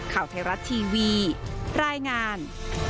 ข่าวไทยรัฐทีวีรายงาน